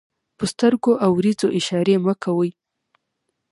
په سترګو او وريځو اشارې مه کوئ!